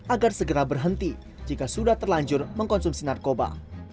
agar segera berhenti jika sudah terlanjur mengkonsumsi narkoba